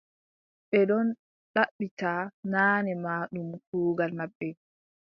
Ɓe ɗon ɗaɓɓita, naane ma ɗum kuugal maɓɓe.